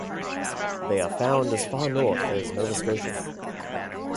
They are found as far north as Nova Scotia.